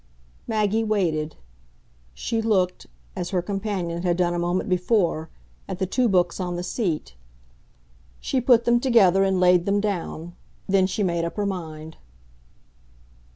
Maggie waited; she looked, as her companion had done a moment before, at the two books on the seat; she put them together and laid them down; then she made up her mind.